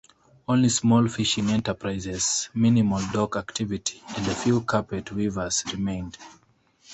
Only small fishing enterprises, minimal dock activity and a few carpet weavers remained.